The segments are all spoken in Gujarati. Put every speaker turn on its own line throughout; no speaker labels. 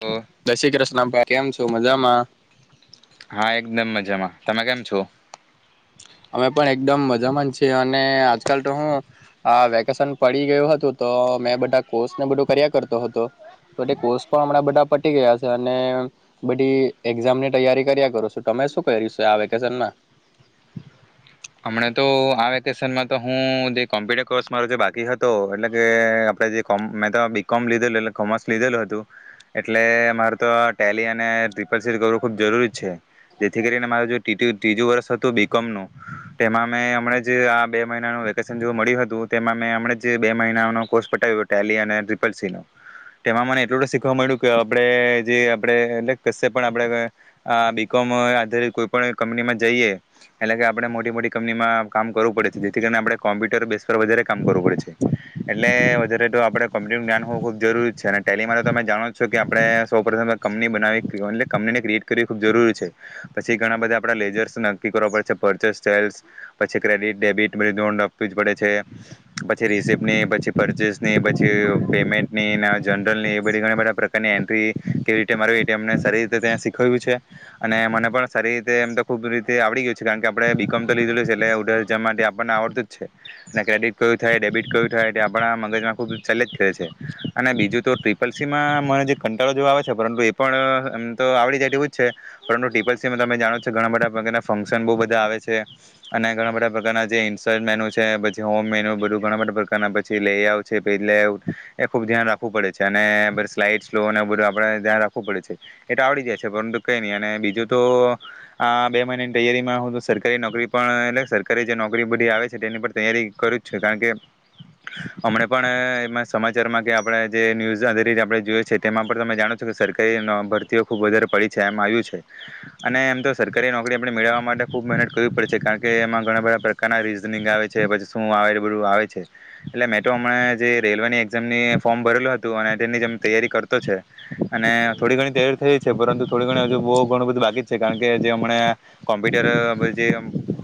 ઓ
દસસેક રશનામ ભાઈ કેમ છો? તો મજામાં.
હા એકદમ મજામાં તમે કેમ છો.
અમે પણ એકદમ મજામાં છે. અને આજકાલ તો હું આ વેકેશન પડી ગયું હતું તો મે બધા કોર્ષને બધું કર્યા કરતો હતો. તો તે કોર્ષ પણ હમણાં બધા પટી ગયા હતા અને બધી એક્ઝામની તૈયારી કર્યા કર છું તમે શું કર્યું છે. આ વેકેશનમાં.
હમણા તો આ વેકેશનમાં તો હું જે કોમ્પ્યુટર કોર્સ મારો જે બાકી હતો એટલે કે આપણે જે મેં તો બી કોમ લીધેલું કોમર્સ લીધેલું હતું એટલે મારે તો ટેલી અને ટિપલ સ કરવું ખૂબ જરૂરી છે. જેથીને મારે જો ટીટી ત્રીજું વર્ષ હતું બીકોમ નું. તેમાં મેં હમણા જ આ બે મહિનાનું વેકેશન જો મળ્યું હતું તેમાં મેં હમણે જ બે મહિનાનો કોર્સ પઠવ્યો ટેલી અને ટ્રીિપલ સી નો તેમાં મને એટલું શીખવા મળ્યું કે આપણે જે આપણે એટલે કશે પણ આપણે આ બી કોમ આધારિત કોઈ પણ કંપનીમાં જઈએ એટલે કે આપણે મોટી મોટી કંપનીમાં કામ કરવું પડે છે જેથી કરીને આપણે કોમ્પ્યુટર બેસ પર વધારે કામ કરવું પડે છે એટલે વધારે તો આપણે કોમ્પ્યુટરનું જ્ઞાન હોવું ખૂબ જરૂરી છે અને ટેલીમાં તો તમે જાણો જ છો કે આપણે સૌ પ્રથમ કંપની બનાવી એ કંપનીને ક્રિએટ કરવી ખૂબ જરૂરી છે પછી ઘણા બધા આપણેે લેઝર્સ નક્કી કરવા પડે છે પરચેસલ પછી ક્રેડિટ ડેબિટ બધી [unintelligible] આપવી જ પડે છે પછી રિસીપની પછી પરચેસની પછી પેમેન્ટની જનરલની એ બધી બધા પ્રકારની એન્ટ્રી કેવી રીતે માને સારી રીતે ત્યાં શીખ્યું છે અને મને પણ સારી રીતે એમ તો ખુબ રીતે આવડી ગયું છે કારણ કે આપણે બીકોમ [unintelligible] એટલે ઉડર જ આપણને આવડતું જ છે અને ક્રેડિટ કયું થાય ડેબિટ કયું થાય એ આપણા મગજમાં ખુબ ચાલલે જ કર છે અને બીજું તો ટ્રિપલ સી માં મને જે કંટાળો જો આવે છે પરંતુ એ પણ એમ તો આવડી જાય એવું જ છે પરંતુ ટ્રિપલ સીમાં તમે જાણોો ઘણા બધા પ્રના ફંક્શન બહુ બધા આવે છે. અને ઘણા બધા પ્રકાર જે [unintelligible] છે પછી હોમ મેન્યુ બધું ઘણા બધા પ્રકારના પછી લેઆઉટ પ એ ખુબ ધ્યાન રાખવું પડે છે અને સ્લાઈડ સ્ બધ આપણે ધ્યાન રાખવું પડે છે એટ આવડી જાય છે પરંતુ કઈ નહી અને બીજું તો આ બે મહિનાની તૈયારીમાં હું સરકારી નોકરી. એટ સરકારી જે નોકરી બધી આવે છે તેની પણ તૈયારી કર છે કારણ કે હમણે પણ એમાં સમાચારમાં કે આપણે જે ન્યૂઝધ આપણે જોએ છે તેમાં પણ તમે જાણો છો કે સરકાર ભરતીઓ ખુબ વધારે પડી છે એમ આવ્યું છે અને એમ તો સરકારી નોકરી આપણે મેળવવા માટે ખૂબ મહેનત કરવી પડે. કારણ કે એમાં ઘણા બધા પ્રકારના રીઝનિંગ આવે છે પછી શું આવે બધું આવે છે એટલે મે તોો હમણા જે રેલવેની એક્ઝામની ફોર્મ ભરેલું હતું અને તેની જ તૈયારી કરતો છે અને થોડી ઘણી તૈયારી થઈ છે પરંતુ થોડી ઘણી હજુ બહુ ઘણું બધું બાકી છે કારણ કે જે હમં કોમ્પ્યુટર જે.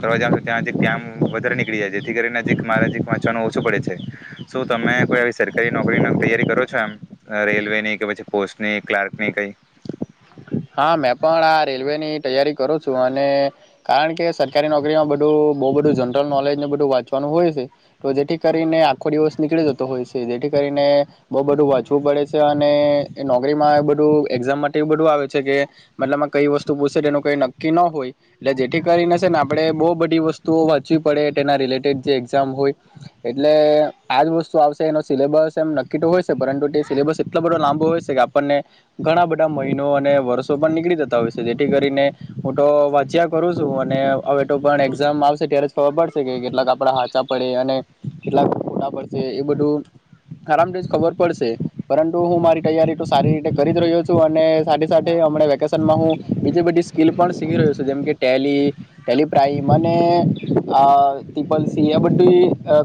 કરવા જ છ ત્યાંજી કમ વધારે નીકળી જાય જેથી કરીને નજીક મારા નજીક વાંચવાનું ઓછું પડે છે શું તમે કોઈ આવી સરકારી નોકરીની તૈયારી કરો છો એમ રેલવે ની કે પછી પોસ્ટની ક્લાર્કની કઈ.
હા મેં પણ આ રેલવે ની તૈયારી કરું છું અને કારણ કે સરકારી નોકરીમાં બધું બહુ બધું જનરલ નોલેજને બધું વાંચવાનું હોય છે તો જેથી કરીને આખો દિવસ નીકળી જતો હોય છે જેથી કરીને બહુ બધું વાંચવું પડે છે અને નોકરીમાં બધું એક્ઝામ માટે બધું આવે. કે મતલબમાં કઈ વસ્તુ પૂછ તેનું કઈ નક્કી ન હોય એટલે જેથી કરીને છે ને આપણે બહુ બધી વસ્તુઓ વાંચવી પડે તેના રિલેટેડ જે એક્ઝામ હોય એટલે આજ વસ્તુ આવશે એનો સિલેબસ એમ નક્કી તો હોય પરંતુ તે સિલેબસ એટલો બધો લાંબો હોય છે કે આપણને ઘણા બધા મહિનો અને. વર્ષો પણ નીકળી જતા હોય છે જેથી કરીને હું તો વાંચ્યા કરું છું અને હવે તો પણ એક્ઝામ આવશે ત્યારે જ ખબર પડશે કે કેટલાક આપડા સાાચા પડે અને કેટલાક ખોટા પડશે એ બધું આરામથી જ ખબર પડશે પરંતુ હું મારી તૈયારી તો સારી રીતે કરી જ રહ્યો છું અને સા હું બીજી બધી સ્કીલ પણ શીખી રહ્યો છું જેમકે ટેલી ટેલિપ્રાઇમ અનેપલ આ બધી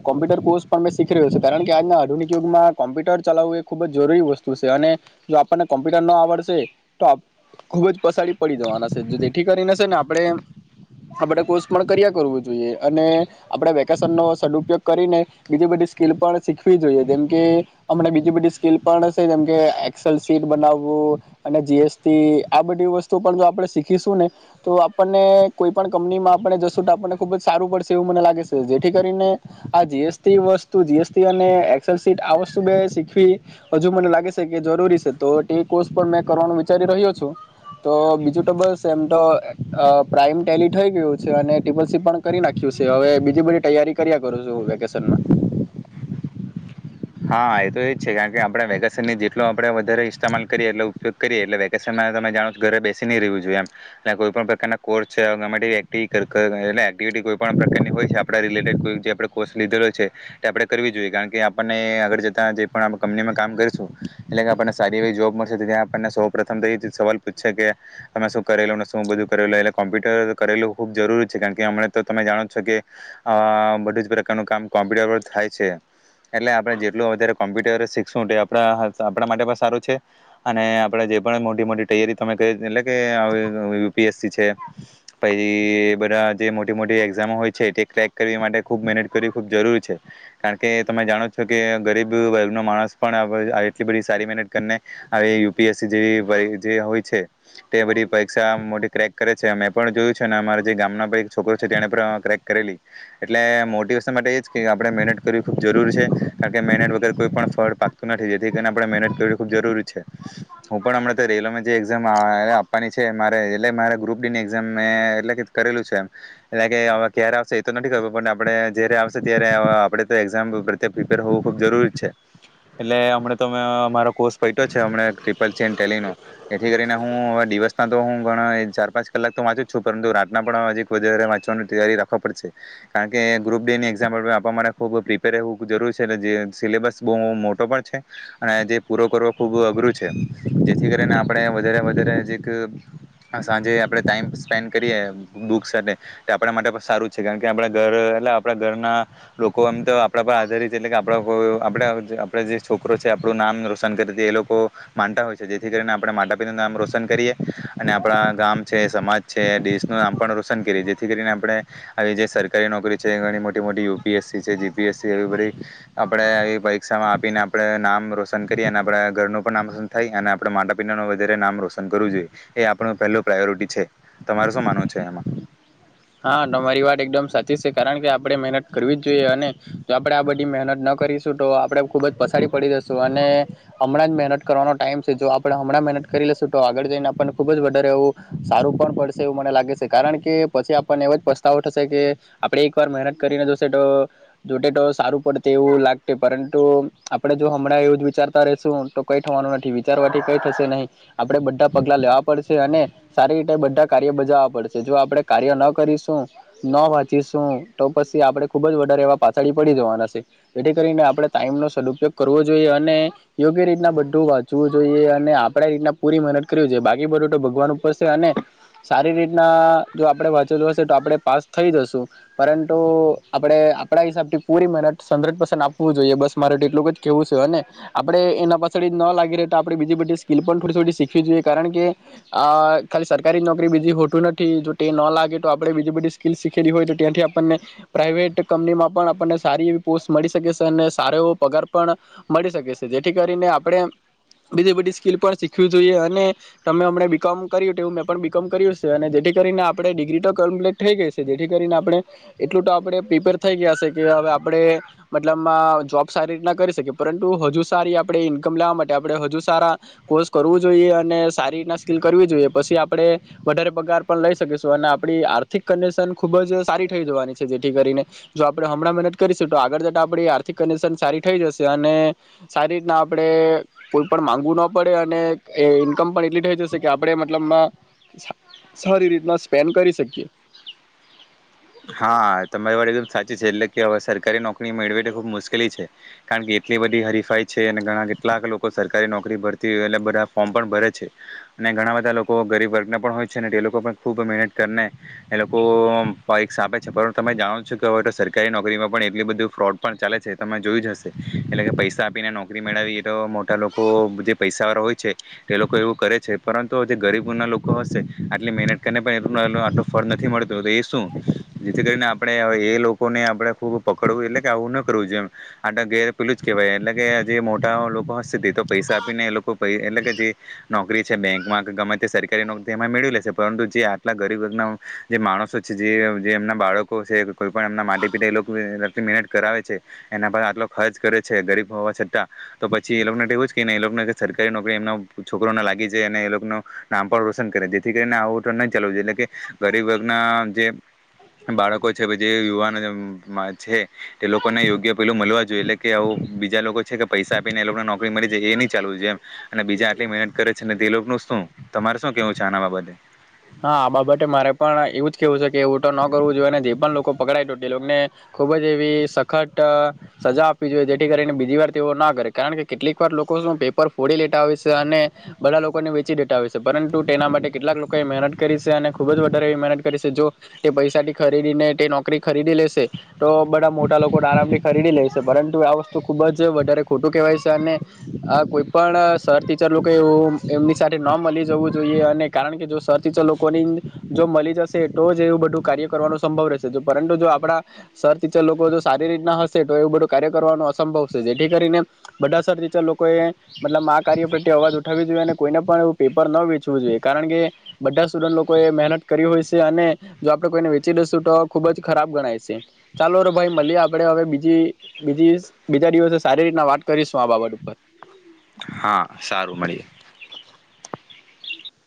કોમ્પ્યુટર કોર્સ પણ શીખી રહ્યું છે કારણ કે આજના આધુનિક યુગમાં કોમ્પ્યુટર ચલાવવું એ ખુબ જરૂરી વસ્તુ છે અને જો આપણને કોમ્પ્યુટર ન આવડશે. તો ખુબ જ પસાડી પડી જવાના છે જેથી કરીને છે ને આપણે આપણે કોર્સ પણ કર્યા કરવું જોઈએ અને આપણે વેકેશન નો સદુપયોગ કરીને બીજી બધી સ્કીિલ પણ શીખવી જોઈએ જેમકે હમણાં બીજી બધી સ્કીલ પણ છે જેમકે એસેલ સીટ બનાવવું અને જી- આ બધી વસ્તુ પણ જો આપણે શીખીશું ને તો આપણને કોઈ પણ કંપનીમાં આપને જસટ આપણને ખુબ જ સારું પડશે એવું મને લાગે છે જેથી કરીને આ જીએસટી વસ્તુ જીએસટી અને એસેલ સીટ આ વસ્તુ મે શીખવી હજુ મને લાગે છે કે જરૂરી છે તો તે કોર્સ પણ મેં કરવાનું. [unintelligible] રહ્યો છું તો બીજું એમ તો પપ્રાઈમ ટેલી થઈ ગયું છે અને ટે પસી પણ કરી નાખ્યું છે હવે બીજી બધી તૈયારી કર્યા કરું છું વેકેશન માં.
હા એ તો એજ છે કારણ કે આપણે વેકેશનની જેટલો આપડે વધારે ઇસ્ટેમાલ કરીએ એટલે ઉપયોગ કરીએ એટલે વેકેશન તમે જાણો ઘરે બેસી ન ર રહેવું જોઈએ એમ કોઈ પણ પ્રકારના કોર્સ એક્ટિવિટી કોઈ પ્રકારની હોય છે આપ રિટેડ કો જે કોર્સ લીધેલો છે તે આપે કરવી જોઈએ કારણ કે આપ. ને આગળ જતા કપનીમાં કામ કરીશું એટલે આપણને સારી એવી જોબ મળશે ત્યાં આપણને સૌ પ્રથમ સવાલ પૂછશે કે અમે શું કરેલ ને શું બધું કરેલું એટલે કોમ્પ્યુટર કરેલું ખુબ જરૂરી છે કારણ કે હમ તો તમે જાણો છો કે બધું જ પ્રકારનું કામ કોમ્પ્યુટર પર થાય છે. એટલે આપણે જેટલું વધારે કોમ્પ્યુટર શીખશું તે આપણા આપણા માટે પણ સારું છે અને આપણે જે પણ મોટી મોટી તૈયારી તમે કરી એટલે કે યુપીએસસી છે પછી એ બધા જે મોટી મોટી એક્ઝામો હોય છે તે ક્રેક કરવી માટે ખૂબ મહેનત કરવી ખૂબ જરૂરી છે કારણ કે તમે જાણો છો કે ગરીબ વર્ગનોમાણસ પણ એટલી બધી સારી મહેનત કરીને [unintelligible] જે હોય છે તે બધી પરીક્ષા મોટી ક્રેક કરે છે. પણ જોયું છે ને અમારે જે ગામના ભઈ છોકરો છે તેને પણ ક્રેક કરેલી એટલે મો [unintelligible] માટે એ જ કે આપણે મહેનત ક જરૂર છે કારણ કે મહેનત વગર કોઈ પણ ફળ પાકતું નથી. તેથી કરીને આપણે મહેનત કરવી ખૂબ જરૂરી છે. હું પણ હમણાં તો રેલો જે એક્ઝામ આપવાની છે મારે એટલે મારે ગ્રુપ ડીની એઝામ મેં.. એટલે કરેલું છે એમ એટલે કેવે ક્યારે આવશે એતો નથી કરવું પણ આપે જયારે આવશે ત્યારે આપણે એઝામ પ્રત્યે પ્રિપેર હોવું ખુબ જરૂરી છે એટલે હમ તો મારો કોર્સ પ છેમ ટપટે એથી કરીને હું દિવસના તો હું ઘણા ચાર પાંચ કલાક તો વાંચું છું પરંતુ રાતના પણજી વધારે વાંચવાની તારી રાખો પડશે કારણ કે ગ્રુપ ડેની ખૂબ પ્રિપેર રહેવું જરૂર છે એટલે જે સિલેબસ બહુ મોટો પણ છે અને જે પૂરો કરવો ખૂબ અઘરું છે જેથી કરીને આપણે વધારે વધારે જે સાંજે આપણે ટાઈમ સ્પેન્ડ કરીએ બુક સાથે આપણા માટે સારું છે કારણ કે આપણા ઘર એટલે આપણા ઘરના લોકો આમ તો આપણા પર આધારિત એટલે કે આપણા હો આપણે આપણે જે છોકરો છે આપણું નામ રોશન કરી હતી એ લોકો માનતા હોય છે જેથી કરીને આપણે માતા પિતાનું નામ રોશન કરીએ અને આપણા ગામ છે સમાજ છે દેશનું નામ પણ રોશન કરીએ જેથી કરીને આપણે આવી જે સરકારી નોકરી છે ઘણી મોટી મોટી- પીએસસી છે જીપીએસસી એ બધી આપણે એ પરીક્ષામાં આપીને આપણે નામ રોશન કરીયે અને આપડા ઘરનું પણ નામ રોશન થાય અને આપણે માતા પિતાનું વધેરે નામ રોશન કરવું જોઈએ એ આપણું પહેલું પ્રાયોરિટી છે તમાર શું માનવું છે એમાં.
હા તમારી વાત એકદમ સાચી છે કારણ કે આપણે મહેનત કરવી જ જોઈએ અને જો આપણે આ બધી મહેનત ના કરીશું તો આપણે ખુબ જ પસડી પડી દશું અને હમણાં જ મહેનત કરવાનો ટાઈમ છે જો આપણે હમણાં મહેનત કરી લશું તો આગળ જઈને આપણને ખુબ જ વધારે એવું સારું પણ પડશે એવું મને લાગે છે કારણ કે પછી આપણને એવ જ પસ્તાવો થશે કે આપણે એક વાર મહેનત કરીને જોશે તો જોટે તો સારું પડત એવું લાગત પરંતુ આપણે જો હમણાં એવું જ વિચારતા રેશુ તો કઈ થવાનું નથી વિચારવાથી કઈ થશે નહી આપણેે બધા પગલા લેવા પડશે અને સારી રીતે બધા કાર્ય બજાવવા પડશે જો આપણે કાર્ય ન કરીશું ન વાંચીશું તો પછી આપણે ખૂબ જ વધારે એવા પાછળી પડી જવાના છે જેથી કરીને આપણે ટાઈમનો સદુપયોગ કરવો જોઈએ અને યોગ્ય રીતના બધું વાંચવું જોઈએ અને આપણે રીતના પૂરી મહેનત કરવી જોઈએ બાકી બધું તો ભગવાન ઉપર છે અને સારી રીતના જો આપણે વાંચેલુ હશે તો આપણે પાસ થઈ જશું પરંતુ આપણે આપણા હિસાબથી પૂરી મહેનત હન્ડ્રેડ પર્સન્ટ આપવું જોઈએ બસ મારે તો એટલું જ કેહેવું છે અને આપણે એના પાછળી ન લાગી રહે તો આપણે બીજી બધી સ્કીિલ પણ થોડી થોડી શીખવી જોઈએ કારણ કે ખાલી આ સરકારી નોકરી બીજી હોટું નથી જો ટે નો લાગે તો આપણે બીજી બધી સ્કલ શીખેલી હોય તો ત્યાંથી આપણને પ્રાાઈવેટ કંપનીમાં પણ આપણને સારી એવી પોસ્ટ મળી શકે છે અને સારો એવો પગાર પણ મળી શકે છે જેથી કરીને આપણે બીજી બધી સ્કીલ પણ શીખવી જોઈએ અને તમેમને હમણાં બીકોમ કર્યું એવું મેં પણ બીકોમ કર્યું છે અને જેથી કરીને આપણે ડિગ્રી તો કમ્પ્લીટ થઈ ગઈ છે જેથી કરીને આપણે એટલું તો આપણે પ્રિપેર થઈ ગયા છે કે હવે આપણે મતલબ જોબ સારી રીતના કરી શકીએ પરંતુ હજુ સારી આપણે ઈન્કમ લેવા માટે આપણે હજુ સારા કોર્સ કરવું જોઈએ અને સારી રીતના સ્કીિલ કરવી જોઈએ પછી આપડે વધારે પગાર પણ લઈ આપ આર્થિક કંડશન ખુબ જ સારી થઈ જવાની છે જેથી કરીને જો આપણે હમણાં મહેનત કરીશું તો આગળ જતા આપ આર્થિક કન્ડિશન સારી થઈ જશે અને સારી રીતના આપણે કોઈ પણ માંગવું ના પડે અને ઈન્કમ પણ એટલી થઈ જશે કે આપણે મતલબમાં સારી રીત ન સ્પેન્ડ કરી શકીએ.
હા તમારી વાત એકદમ સાચી છે એટલે કે હવે સરકારી નોકરી. નોકરી મેળવેવી તો ખબ મુશકેલી છે. કારણ કે એટલી બધી હરીફાઈ છે અને ઘણા કેટલાક લોકો સરકારી નોકરી ભરતી હોય એટલે બધા ફોર્મ પણ ભરે છે અને ઘણા બધા લોકો ગરીબ વર્ગ ના પણ હોય છે ને એ લોકો પણ ખૂબ મહેનત કરીને એ લોકો પરીષા આપે છે આપે છે પરંતુ તમે જાણો છો કે હવે તો સરકારી નોકરીમાં પણ એટલી બધું ફ્રોડ પણ ચાલે છે તમે જોયું જ હશે એટલે કે પૈસા આપીને નોકરી મેળવી એ તો મોટા લોકો જે પૈસાવાળા હોય છે તે લોકો એવું કરે છે પરંતુ જે ગરીબના લોકો હશે આટલી મહેનત કરીને પણ એટલું આટલું ફળ નથી મળતું તો એ જેથી કરીને આપ આપણે એ લોકો ને આપડે ખુબ પકડવું એટલે કે આવું ન કરવું જોઈ એમ આટ ગેર પેલું જ કેહેવાય એટલે કે જે મોટા લોકો હશે તે તો પૈસા આપીને એ લોકો એટલે કે જે નોકરી છે બેંકમાં કે ગમે તે સરકારી નોકરી તેમાં મેળવી લેશે પરંતુ જે આટલા ગરીબ વર્ગના જે માણસો છે જે જે એમના બાળકો છે કોઈ પણ એમના માટી પીતા એ લોકો મહેનત કરાવે છે એના પર આટલો ખર્ચ કરે છે ગરીબ હોવા છતાં તો પછી એ લોકોને એવું જ ક ને એ લોકોને સરકારી નોકરી એમના છોકરોને લાગી જાય અને એ લોકોનું નામ પણ રોશન કરે જેથી કરીને આ હોટલ નહીં ચાલવ જો એટલે કે ગરીબ વર્ગના જે બાળકો છે જે યુવાન છે તે લોકોને યોગ્ય પેલું મળવા જોઈએ એટલે કે આવ બીજા લોકો છે કે પૈસા આપીને એ લોકોને નોકરી મળી જાય એ નહી ચાલવું જોઈએ અને બીજા આટલી મહેનત કરે છે તે લોકોનું શું તમારે શું કેવું છે આના બાબતે.
હા આ બાબતે મારે પણ એવું જ કેવું છે કે એવું તો ન કરવું જોઈએ અને જે પણ લોકો પકડાય તે લોકને ખુબ જ એવી સખત સજા આપવી જોઈએ. જેથી કરીને બીજી વાર તેવો ના કરે કારણ કે કેટલીક વાર લોકો શુ પેપર ફોડી લેતા હોય છે અને બધા લોકોને વેચી દેતા હોય છે પરંતુ તેના માટે કેટલાક લોક ત કરી અને ખૂબ જ વધારે મહેનત કરી છે. જો તે પૈસાથી ખરીદીને તે નોકરી ખરીદી લેશે. તો બધા મોટા લોકો આરામથી ખરીદી લેશે પરંતુ આ વસ્તુ ખુબ જ વધારે ખોટું કહેવાય છે અને આ કોઈ પણ સર ટીચર લોકો એવું એમની સાથે ન મળી જવું જોઈએ અને કારણ કે જો સર ટીચર લોકોની જો મળી જશે. તો જ એવું બધું કાર્ય કરવાનો સંભવ રહેશે. પરંતુ જો આપણા સર ટીચર લોકો જો સારી રીતના હશે તો એવું બધું કાર્ય કરવાનું અસંભવ છેશે જેથી કરીને બધા સર ટીચર લોકોએ મતલબ આ કાર્ય પ્રત્યે અવાજ ઉઠાવવી જોઈએ અને કોઈને પણ એવું પેપર ન વેચવું જોઈએ કારણ કે બધા સ્ટુડન્ટ લોકો એ મહેનત કરી હોય છે અને જો આપડે કોઈને વેચી દશું તો ખુબ જ ખરાબ ગણાય છે. ચાલો રો ભાઈ મળએ આપણે હવે બી બીજી બીજા દિવસે સારી રીતના વાત કરીશું આ બાબત ઉપર.
હા સારું મળીએ.
[inaudible]